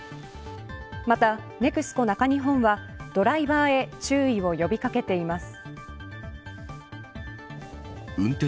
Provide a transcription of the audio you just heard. また、ＮＥＸＣＯ中日本はドライバーへ注意を呼び掛けています。